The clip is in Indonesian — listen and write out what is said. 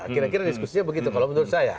kira kira diskusinya begitu kalau menurut saya